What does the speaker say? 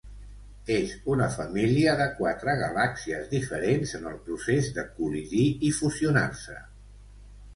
És una família de quatre galàxies diferents en el procés de col·lidir i fusionar-se.